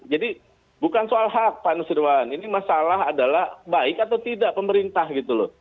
jadi bukan soal hak pak nusirwan ini masalah adalah baik atau tidak pemerintah gitu loh